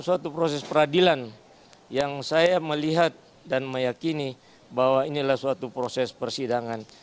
suatu proses peradilan yang saya melihat dan meyakini bahwa inilah suatu proses persidangan